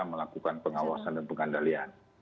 melakukan pengawasan dan pengendalian